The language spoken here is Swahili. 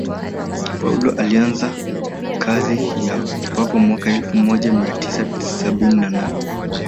paulo alianza kazi ya upapa mwaka wa elfu moja mia tisa sabini na nane